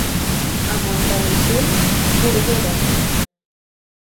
A Montanissell, porgueres.